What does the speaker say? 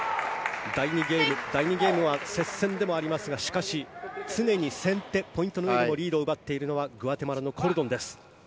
第２ゲームは接戦でもありますがしかし、常に先手ポイントのうえでリードを奪っているのはグアテマラのコルドンです。